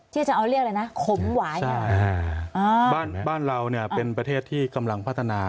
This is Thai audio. ที่จะเอาเรียกอะไรนะขมหวายอ่าบ้านบ้านเราเนี่ยเป็นประเทศที่กำลังพัฒนา